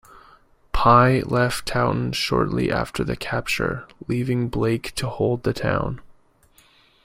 Pye left Taunton shortly after the capture, leaving Blake to hold the town.